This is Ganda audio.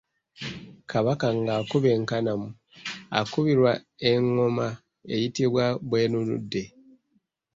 Kabaka ng’akuba enkanamu akubirwa engoma eyitibwa bwenunudde.